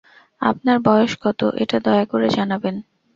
আপনার বয়স কত, এটা দয়া করে জানাবেন।